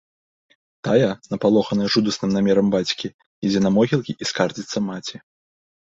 Тая, напалоханая жудасным намерам бацькі, ідзе на могілкі і скардзіцца маці.